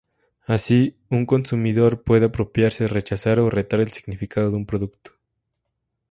Así, un consumidor puede apropiarse, rechazar, o retar el significado de un producto.